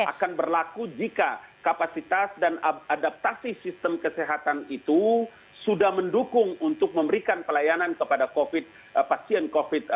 tapi tidak terlalu jika kapasitas dan adaptasi sistem kesehatan itu sudah mendukung untuk memberikan pelayanan kepada covid pasien covid sembilan belas